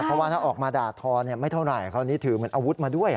เพราะว่าถ้าออกมาด่าทอไม่เท่าไหร่เขานี่ถือเหมือนอาวุธมาด้วย